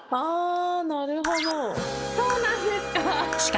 そうなんですか。